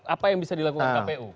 apa yang bisa dilakukan kpu